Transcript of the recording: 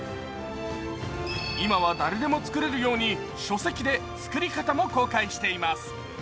今は誰でも作れるように書籍で作り方も公開しています。